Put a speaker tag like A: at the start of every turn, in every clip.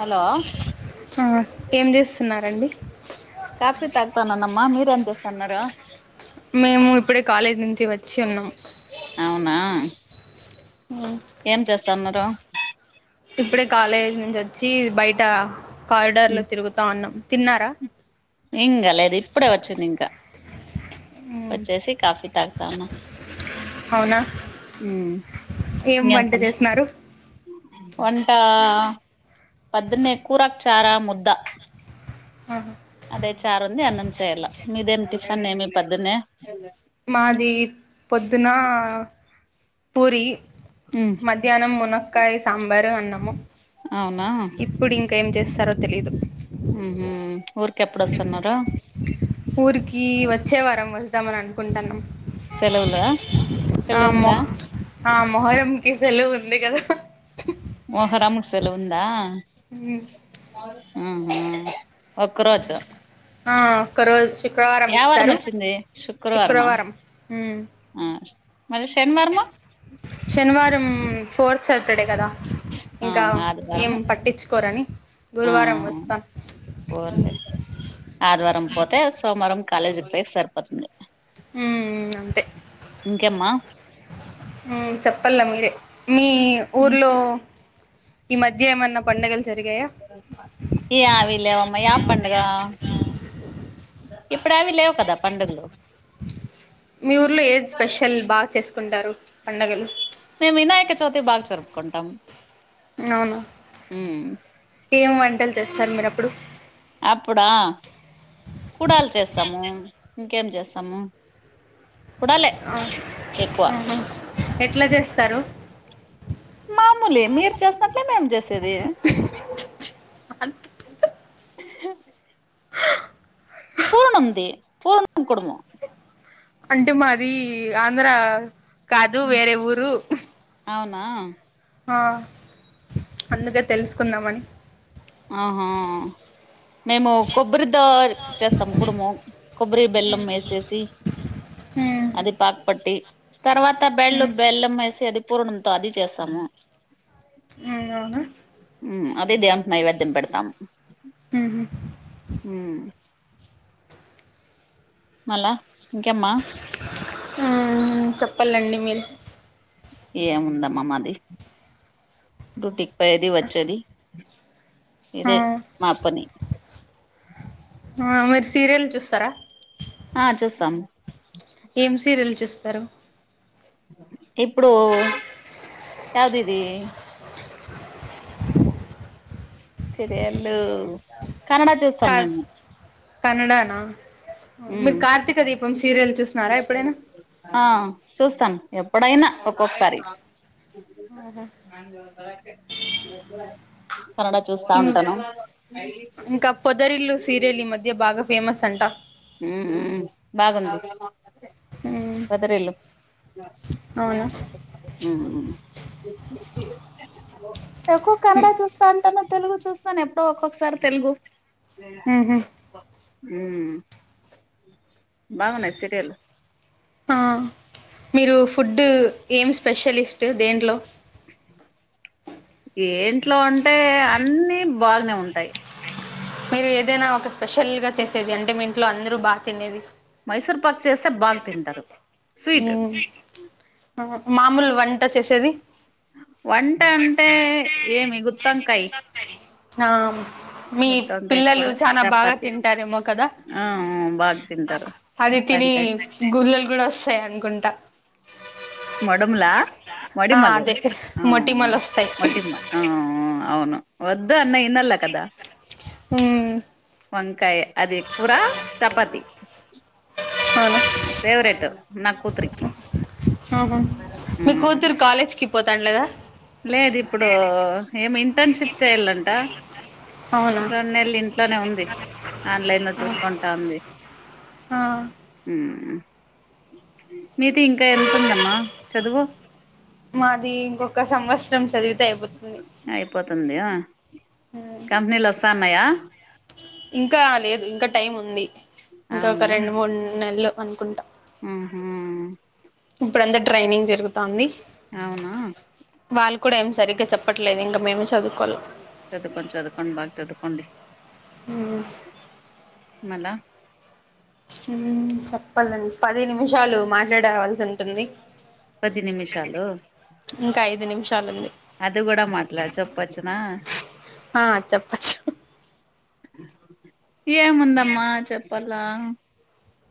A: Hello
B: ఆ ఏం చేస్తున్నారండి?
A: కాఫీ తాగతానన్నమ్మా మీరేం చేస్తాన్నారు?
B: మేము ఇప్పుడే కాలేజ్ నుంచి వచ్చి ఉన్నాం.
A: అవునా
B: ఉమ్
A: ఏం చేస్తాన్నరు
B: ఇప్పుడే కాలేజ్ నుంచోచ్చి బయట కారిడార్ లో తిరుగుతా అన్నం తిన్నారా
A: ఇంగ లేద్ ఇప్పుడే ఒచ్చిందింక ఓచ్చేసి కాఫీ తాగుత అనా
B: అవునా ఏం వంట చేస్ న్నారు
A: ఒంటా పద్నే కూరక్ చారా ముద్ద
B: ఆహ
A: అదే చారుంది అన్నం చేయాల మీదేమ్ టిఫన్ ఏమి పద్దునే
B: మాది పొద్దున్న పూరి
A: ఉహ్
B: ధ్యనం మునక్కయ్ సాంబారు అన్నము
A: అవునా
B: ఇప్పుడ్ ఇంక ఏం చేస్తారో తెలీదు
A: ఉహు ఊరికెప్పుడోస్తున్నారు
B: ఊరికి వచ్చే వారం వస్దామన్ అనుకుంటన్నాం
A: సెలవులా
B: ఆ
A: సెలవు ఉందా
B: మొహ్ ఆ మొహరంకి సెలవుంది గదా
A: మొహరము సెలువుందా
B: ఊమ్
A: ఉ హు ఒక్క రోజు
B: ఆ ఒక్క రోజ్ శుక్రవారం
A: యావారం
B: ఇస్తారు
A: వచ్చింది
B: శుక్రవారం ఉమ్
A: అ మరి శనివర్ము
B: శనివారం ఫోర్త్ సర్టర్డే గదా
A: ఆ
B: ఇంకా ఏం
A: ఆదివారము
B: పట్టించుకోరని గురువారం వస్తా
A: ఓందె ఆదివారం పోతే సోమరం కాలేజీక్ పోయ్ సరిపోతుంది
B: ఊమ్ అంతే
A: ఇంకేమ్మా
B: మ్ చెప్పల్ల మీరే మీ ఊర్లో ఈ మధ్య ఏమన్నా పండగల్ జరిగాయా
A: యావి లేవమ్మా యా పండగ ఇప్పుడవి లేవు కదా పండగులు
B: మీ ఊర్లో ఏద్ స్పెషల్ బాగ్ చేసుకుంటారు పండగలు
A: మేం వినాయక చవితి బాగ్ జరుపుకుంటాం
B: నవునా
A: ఉమ్
B: ఏం వంటల్ చేస్తార్ మీరప్పుడు
A: అప్పుడా కుడాల్ చేస్తాము ఇంకేం చేస్తాము కుడాలే ఎకువా
B: ఆహా ఎట్లా జేస్తారు
A: మామూలే మీరు చేసినట్లే మేం చేసేది
B: హ
A: పూనంది పూన్ కుడుము
B: అంటే మాది ఆంధ్ర కాదు వేరే ఊరు
A: అవునా
B: హా అందుదే తెలుసుకుందామని
A: ఆహా మేము కొబ్బరిదో చేస్తాం కుడుము కొబ్బరి బెల్లం ఏసేసి
B: ఊ
A: అది పాకుపట్టి తర్వాత బెళ్ళు బెల్లం వేసి అది పూర్ణంతో అది చేస్తాము
B: ఇగ అవునా
A: ఊ అదే దేవునికి నైవేద్యం పెడతాము
B: ఉహు
A: ఊ మల్ల ఇంకేమ్మా
B: ఆ చెప్పాలండి మీలు
A: ఏముందమ్మా మాది డ్యూటీకి పోయేది వచ్చేది ఇదే మా పని
B: ఆ మీరు సీరియల్ చూస్తారా
A: ఆ చూస్తాం
B: ఏం సీరియల్ చూస్తారు
A: ఇప్పుడు యాదిది సీరియల్ కన్నడ
B: క
A: చూసాం మేము
B: కన్నడానా మీరు కార్తీక దీపం సీరియల్ చూసిన్నారా ఎప్పుడైనా
A: ఆ చూస్తాను ఎప్పుడైనా ఒక్కొక్కసారి
B: ఆహా
A: మంజు కరెక్ట్ ఏ కనడా చూస్తా ఉంటాను
B: ఇంకా పొదరిల్లు సీరియల్ ఈ మధ్య భాగ ఫేమస్ అంటా
A: ఊ ఊ బాగుంది పొదరిల్లు
B: అవునా
A: ఊ ఎక్కువ కన్నడ చూస్తా అంటాను తెలుగు చూస్తాను ఎప్పుడో ఒక్కొక్కసారి తెలుగు ఊ బాగున్నయ్ సరియల్
B: ఆ మీరు ఫుడ్డు ఏమి స్పెషలిస్ట్ దేంట్లో
A: ఏంట్లో అంటే అన్నీ బాగానే ఉంటాయి
B: మీరు ఏదైనా ఒక స్పెషల్గా చేసేది అంటే మీ ఇంట్లో అందరూ బా తినేది
A: మైసూర్ పాక్ చేస్తే బాగా తింటారు
B: ఉ
A: స్వీట్
B: మామూలు వంట చేసేది
A: వంట అంటే ఏమి గుత్తంకాయ
B: ఆ మీ
A: గుత్తంకాయ కూర
B: పిల్లలు చాలా బాగా
A: చపాతి
B: తింటారేమో కదా
A: ఆ బాగా తింటారు
B: అది తిని
A: గుత్తంకాయ
B: గుళ్ళలు కూడా వస్తాయి అనుకుంటా
A: మడుంలా
B: ఆ
A: మడిమల్లు
B: అదే
A: అవున
B: మొటిమలు వస్తాయి
A: మటిమ ఆ అవును వద్దు అన్న ఇన్నల్ల కదా
B: హు
A: వంకాయ అది కూరా చపాతి
B: అవున
A: ఫేవరెట్ నా కూతురికి ఊ
B: కాలేజ్ కి పోతాన్ లేదా
A: లేదిప్పుడూ ఏమి ఇంటర్న్షిప్ చేయాలంట
B: అవునా
A: రొన్నెల్ ఇంట్ ట్లోనే ఉంది ఆన్లైన్ లో చూసుకుంటాంది
B: ఆ
A: మీతీ ఇంకా ఎంతుందమ్మా చదువు
B: మాదీ ఇంగొక్క సంవత్సరం చదివిద్
A: అయిపోతుంది ఆ
B: మ్మ్.
A: కంపినీల్ వస్తాన్నాయా
B: ఇంకా లేదు ఇంక టైం ఉంది ఇంక ఒక రెండు మూడ్ నెల్లు అనుకుంటా
A: ఊఁ హుమ్
B: ఇప్పుడంద ట్రైనింగ్ జరుగుతాంది
A: అవునా
B: వాళ్ కూడ ఏం సరిగ్గా చెప్పట్లేద్ ఇంకా మేమే చదువుకోలం
A: చదుకోండి చదుకోండ్ బాగ్ చదుకోండి
B: ఉమ్
A: మళ
B: పది నిమిషాలు మాట్లాడేవాల్సి ఉంటుంది
A: పది నిమిషాలూ
B: ఇంకా ఐదు నిమిషాలుంది
A: అదు గుడ మాట్లా చొప్పచ్చునా
B: ఆ చెప్పచ్చు
A: ఏముందమ్మా చెప్పాలా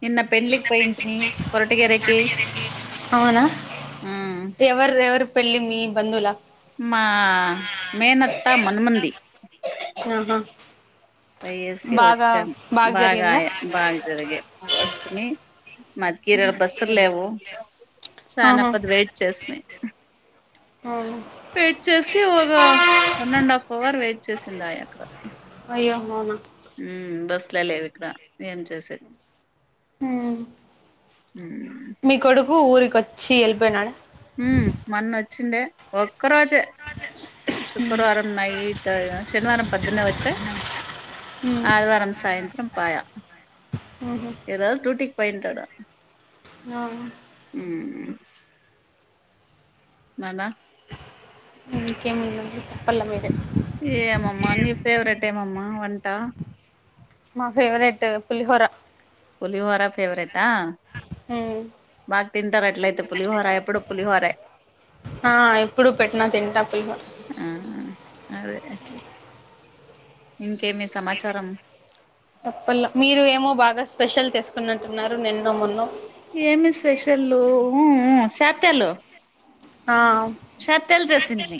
A: నిన్న పెళ్లిక్ పోయింటిని కొరటిగెరకీ
B: ఔనా
A: ఉమ్
B: ఎవర్ రెవర్ పెళ్లి మీ బంధులా
A: మా మేనత్తా మన్మంది
B: ఆహా
A: పోయేసీ
B: బాగా
A: వచ్చాం
B: బాగా జరిగిందా
A: బాగాయ బాగ్ జరిగే వస్తునీ మాద్ కిరర్ బస్సుల్లేవూ చానా
B: ఆహా
A: ఖోత్ వెయిట్ చేస్మీ
B: హాఁ
A: వెయిట్ చేసి ఒగా one and half hour wait చేసిందాయ అక్కడ
B: అయ్యో అవునా
A: ఉమ్ బస్ లే లేవిక్డ ఏం చేసేది
B: హుమ్
A: ఉమ్
B: మీ కొడుకూ ఊరికొచ్చీ ఎళ్ళిపోయినాడ
A: ఉమ్ మన్నొచ్చిండే ఒక్క రోజే శుక్ శుక్రవారం నైట్ ఆయ శనివారం పద్దన్నే వచ్చే ఆదివారం సాయంత్రం పాయా ఈ రోజ్ డ్యూటీకి పోయింటాడు
B: ఆఁ
A: ఉమ్ నాల
B: ఇంకేముందండి పల్ల మీరే
A: ఏమమ్మా నీ ఫేవరెట్ ఏమమ్మా వంటా
B: మా ఫేవరెట్టు పులిహోర
A: పులిహోరా ఫేవరెట్టా
B: హుమ్
A: బా తింటారు అట్లయితే పులిహోర ఎప్పుడుో పులిహోరే.
B: ఆ ఎప్పుడు పెట్టినా తింటా పులిహోర.
A: అదేలే ఇంకేమి సమాచారం.
B: చెప్పల మీరు ఏమో బాగా స్పెషల్ తీసుకున్నంటున్నారు నిన్నో మొన్నో.
A: ఏమి స్పెషల్లు శాతొల్లు.
B: ఆ
A: శక్తల్ చేసిండని.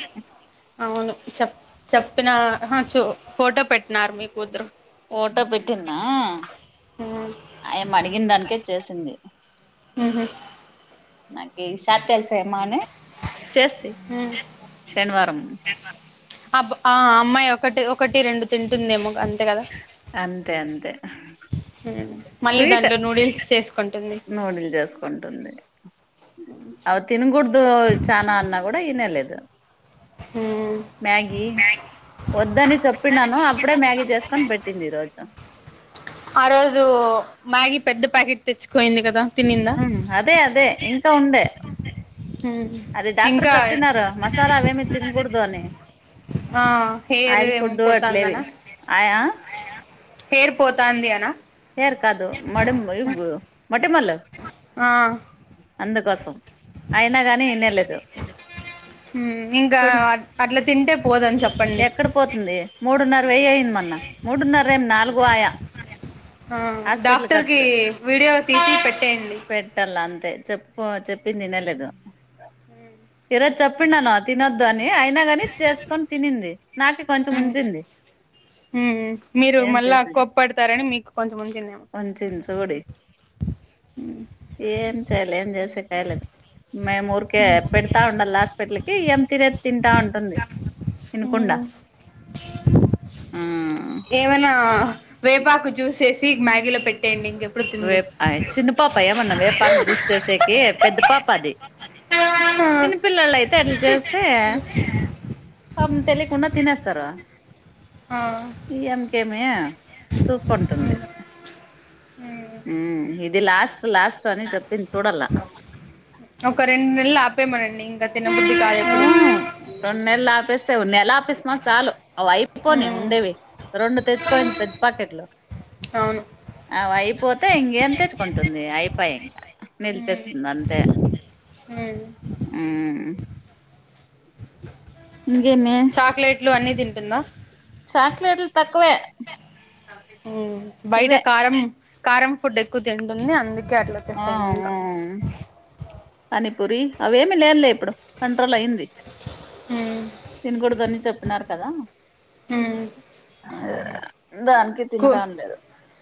B: అవును చెప్ చెప్పిన ఆహా చో ఫోటో పెట్.
A: ఫోటో పెట్టిన్నా.
B: ఉమ్
A: ఆయం అడిగిన దానికే చేసింది.
B: ఉహు.
A: నాకు ఈ షాక్ కైల్ చైమా అని చేస్తాయ్
B: ఉమ్
A: శనివారం.
B: అబ్ ఆ అమ్మాయి ఒకటి ఒకటి రెండు తింటుందేమో అంతే కదా.
A: అంతే అంతే.
B: మళ్ళీ దాంట్లో నూడిల్స్ చేేసుకుంటుంది.
A: నూదిల్ల్ చేసుకుంటుంది అవి తినకూడదు చాలనా అన్నా కూడా. ఇనలేదు.
B: హ.
A: మ్యాగీ వద్దని చెప్పిండాను అప్పుడే మ్యాగీ చేసుకొని పెట్టింది ఈరోజు.
B: ఆ రోజు మ్యాగీ పెద్ద ప్యాకెట్ తెచ్చికోయింది కదా. తినిందా
A: అవును అదే అదే ఇంకా ఉంది.
B: హ.
A: అది డాక్టర్ చెప్పినారు మసాలా అవే తినకూడదు అని.
B: ఆ హియర్
A: ఆయిల్
B: ఏమో
A: ఫుడ్ అట్లేవి
B: పోతాందానా.
A: ఆయా
B: హేర్ పోతాంది అనా.
A: హేర్ కాదు మేడం మొట్టమల్ళ
B: ఆ
A: అందుకోసం. అయినా గాని వినేలేదు
B: హ్మ్ ఇంకా
A: చూడు.
B: అట్లా తింటే పోదని చెప్.
A: ఎక్కడ పోతుంది మూడున్నర వెయ్య అయింది మొన్న మూడున్నర ఏమి నాలుగు ఆయా.
B: ఆ
A: హాస్పిటల్
B: డాక్టర్ కి
A: ఖర్చు
B: వీడియో తీసి పెట్టేయండి.
A: పెట్టాల అంతే చెప్పు చెప్పంది ఇనలేదు ఇరోజ్ చెప్పిండాను తినోద్. అని అయినా కాని చేసుకొని తినింది నాకి కొంచెం ఉంచింది.
B: మీరు
A: ఏం
B: మళ్ళా కొప్పడతారని మీకు కొంచెముంచిందేమో.
A: కొంచి చూడి ఏం చేయాలం చేస్తే కయలే వేమూర్. కె పెడతా ఉండాలి హాస్పిటల్ కి ఏం తినే తింటా ఉంటుంది. ఇనకుండా.
B: హ్మ్ ఏమైనా వేపాకు చూసేసి మ్యాగీలో పెట్టేడి ఇంకెప్.
A: వే చిన్న పాప ఏమన్నా వేపాకు జూస్ చేసేకి పెద్ద పాప అది. చిన్న పిల్లోల్లు అయితే అట్లా చేస్తే. పాపం తెలియకుండా తినేస్తారు.
B: ఆ.
A: ఈఎంకేమి చూసుకుంటుంది.
B: హ్మ్
A: ఉ ఇది లాస్ట్ లాస్ట్ అని చెప్పింది చూడల్లా.
B: ఒక రెండు నెలలు ఆపేమనండి ఇంకా తినబద్డి కాయ ఎప్పుడు.
A: ఉమ్ రెండు నెలలు ఆపిస్తే నెల ఆపిస్తు చాలు అ అయిపోని
B: హ్మ్
A: ఉండేవి. రెండు తెచ్చుకోయింది పెద్ద ప్యాకెట్లు.
B: అవును
A: అవి అయిపోతే ఇంకేం తెచ్చుకుంటుంది అయిపోయి ఇంకా నిలిపేస్తుంది అంతే హ్మ్ ఇంకేమి
B: చాక్లెట్లు అన్ని తింటుందా
A: చాక్లట్లు తక్కువే
B: బయట
A: ఇవే
B: కారం కారం ఫుడ్ ఎక్కువ తింటుంది అందుకే అట్లా
A: ఆ
B: వచ్చేస్తాయేమో ఇంకా
A: ఆ పానిపూరి అవి ఏమిలేదులే ఇప్పుడు కంట్రోల్ అయింది తినకూడదని చెప్పినారు కదా దానికి తింటాం లేదు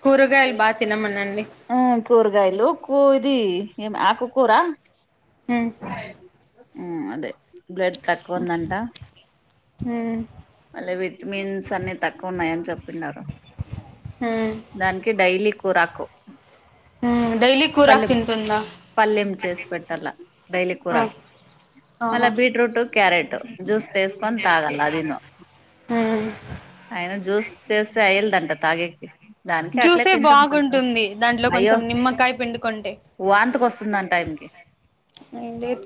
B: కూరుగాయలు బా తినమనండి
A: ఆ కూరగాయలు కో ఇది ఆకు కూరా హ్మ్ అదే బ్లడ్ తక్కువ ఉందంటా
B: హ్మ్
A: మళ్ళీ విటమిన్స్ అన్ని తక్కువ ఉన్నాయని చెప్తున్నారు దానికి డైలీ కూరాకు
B: డైలీ కూరాకు
A: పలెం
B: తింటుందా
A: పల్లెం చేసి పెట్టాల డైలీ కూరాకు మళ
B: ఆహా
A: బీట్రూట్ క్యారెట్ జ్యూస్ చేసుకొని తాగాల అదిను అయిన జ్యూస్ చేస్తే అయ్యలదంట తాగేకి దానికి అట్లే
B: జ్యూసే
A: తింటుంది కొంచెం
B: బాగుంటుంది దాంట్లో
A: అయ్యో
B: కొంచెం నిమ్మకాయ పిండుకుంటే
A: వాంతికి వస్తుందంట ఆయనకి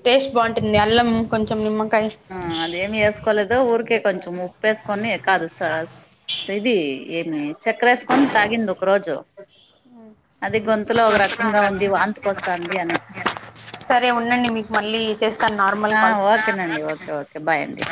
B: టేస్ట్ బాగుంటుంది అల్లం కొంచెం నిమ్మకాయ
A: ఆ అదేమి వేసుకోలేదో ఊరికే కొంచెం ఉప్పేసుకొని కాదు స ఇది ఏమి చెక్కర వేసుకొని తాగింది ఒక రోజు అది గొంతులో ఒక రకంగా ఉంది వాంతకి వస్తాంది అని
B: సరే ఉండండి మీకు మళ్ళీ చేస్తాను నార్మల్ కాల్
A: ఓకేనండిఓకే ఓకే బాయ్ అండి